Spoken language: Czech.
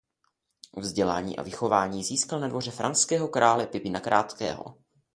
Vzdělání a vychování získal na dvoře franského krále Pipina Krátkého.